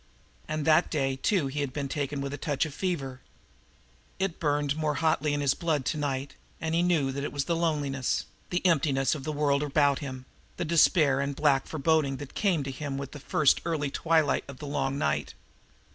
And that day, too, he had been taken with a touch of fever. It burned more hotly in his blood to night, and he knew that it was the loneliness the emptiness of the world about him, the despair and black foreboding that came to him with the first early twilights of the Long Night.